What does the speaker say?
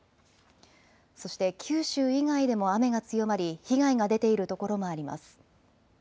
そして九州以外でも雨が強まり被害が出ているところもあります。